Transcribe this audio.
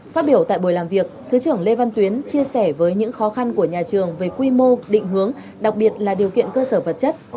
phát biểu tại buổi làm việc thứ trưởng lê văn tuyến chia sẻ với những khó khăn của nhà trường về quy mô định hướng đặc biệt là điều kiện cơ sở vật chất